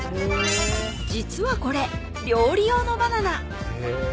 実はこれ料理用のバナナ